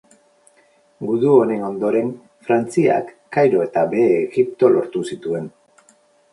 Gudu honen ondoren, Frantziak, Kairo eta Behe Egipto lortu zituen.